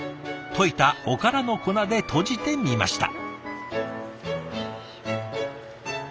溶いたおからの粉で閉じてみました。